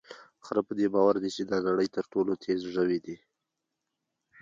خره په دې باور دی چې د نړۍ تر ټولو تېز ژوی دی.